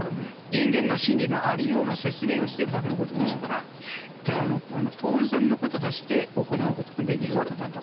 人間の心理のありようの説明をしているだけのことですから、当然のこととして行うことができることだと。